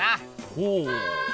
ほう！